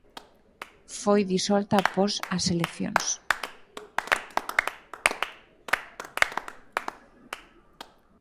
Foi disolta após as eleccións